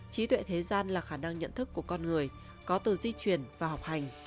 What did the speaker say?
trí tuệ thế gian là khả năng nhận thức của con người có từ di chuyển và học hành